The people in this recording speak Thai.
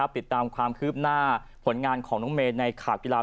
ติดตามความคืบหน้าผลงานของน้องเมย์ในข่าวกีฬา